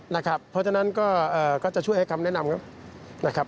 เพราะฉะนั้นก็จะช่วยให้คำแนะนำครับนะครับ